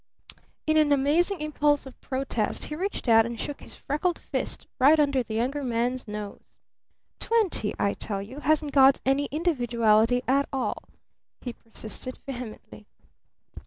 In an amazing impulse of protest he reached out and shook his freckled fist right under the Younger Man's nose. "Twenty, I tell you, hasn't got any individuality at all!" he persisted vehemently.